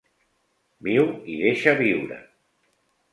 Viu i deixa viure